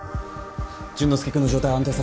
淳之介君の状態を安定させないと。